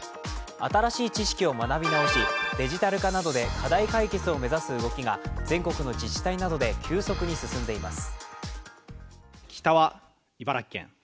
新しい知識を学び直し、デジタル化などで課題解決を目指す動きが全国の自治体などで急速に進んでいます。